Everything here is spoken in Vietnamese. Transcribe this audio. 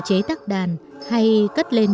chế tắc đàn hay cất lên